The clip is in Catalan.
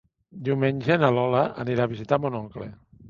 Diumenge na Lola anirà a visitar mon oncle.